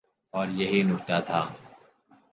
اوریہی نکتہ تھا۔